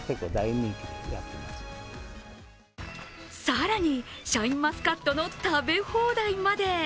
更に、シャインマスカットの食べ放題まで。